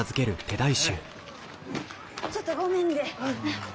ちょっとごめんで。